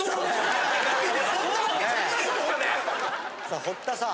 さあ堀田さん。